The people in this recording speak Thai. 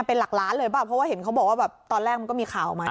เป็นหลักล้านเลยเปล่าเพราะว่าเห็นเขาบอกว่าแบบตอนแรกมันก็มีข่าวออกมา